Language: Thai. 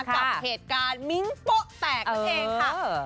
กับเหตุการณ์มิ้งโป๊ะแตกนั่นเองค่ะ